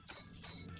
oh gitu ya